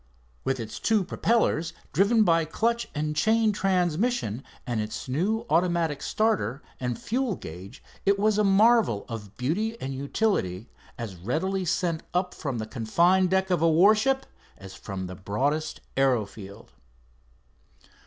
With its two propellers driven by clutch and chain transmission, and its new automatic starter and fuel gauge, it was a marvel of beauty and utility, as readily sent up from the confined deck of a warship as from the broadest aero field.